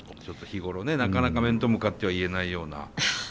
ちょっと日頃ねなかなか面と向かっては言えないような。